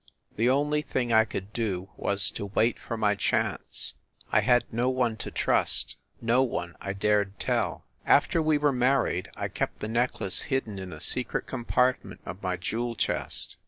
The only thing I could do was to wait for my chance. I had no one to trust, no one I dared tell. After we were married I kept the necklace hidden in a secret compartment of my jewel chest.